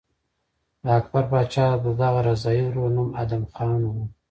د اکبر پاچا د دغه رضاعي ورور نوم ادهم خان و.